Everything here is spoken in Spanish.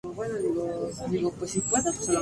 Le Mesnil-sur-Blangy